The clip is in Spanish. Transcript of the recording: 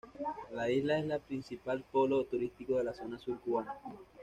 La isla es el principal polo turístico de la zona Sur cubana.